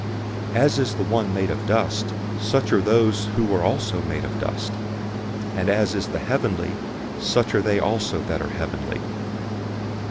015:048 As is the one made of dust, such are those who are also made of dust; and as is the heavenly, such are they also that are heavenly.